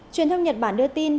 truyền thông nhật bản đưa tin